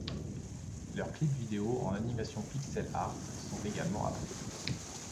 Leurs clips vidéos en animation pixel art sont également appréciés.